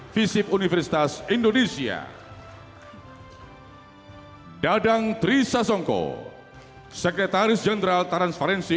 fisik universitas indonesia dadang tri sasongko sekretaris jenderal transferensi